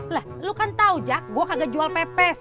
lah lu kan tau jak gua kagak jual pepes